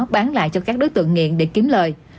bán lại cho các đối tượng nghiện để kiếm lời